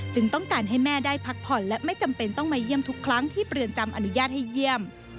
ต้องการให้แม่ได้พักผ่อนและไม่จำเป็นต้องมาเยี่ยมทุกครั้งที่เรือนจำอนุญาตให้เยี่ยม